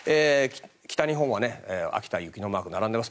北日本は秋田に雪のマーク、並んでます。